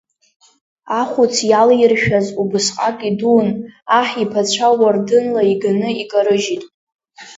Ахәыц иалиршәаз убысҟак идун, аҳ иԥацәа уардынла иганы икарыжьит.